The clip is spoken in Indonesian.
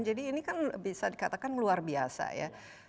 jadi ini kan bisa dikatakan luar biasa ya